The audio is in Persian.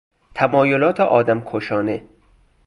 تمایلات آدمکشانه